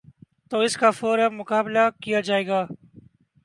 تو اس کا فورا مقابلہ کیا جائے گا۔